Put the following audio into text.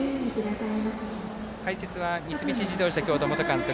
解説は三菱自動車京都元監督